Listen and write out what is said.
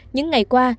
những ngày qua